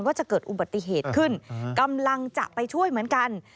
ว่าจะเกิดอุบัติเหตุขึ้นกำลังจะไปช่วยเหมือนกัน